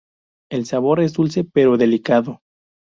El sabor es dulce pero delicado.